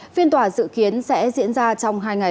phiên tòa dự kiến sẽ diễn ra trong hai ngày